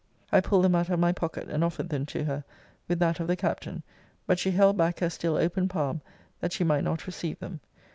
[I pulled them out of my pocket, and offered them to her, with that of the Captain; but she held back her still open palm, that she might not receive them.